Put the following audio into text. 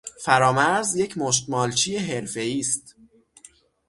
فرامرز یک مشتمالچی حرفهای است